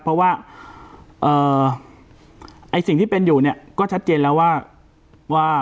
เพราะว่าสิ่งที่เป็นอยู่เนี่ยก็ชัดเจนแล้วว่า